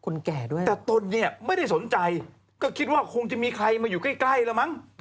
แต่ตนไม่ได้สนใจก็คิดว่าคงจะมีใครมาอยู่ใกล้แล้วมั้ง